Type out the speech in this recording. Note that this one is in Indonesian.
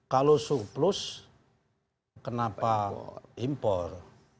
kalau surplus kenapa impor